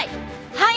はい！